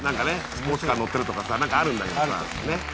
スポーツカー乗ってるとかさ何かあるんだけどさ。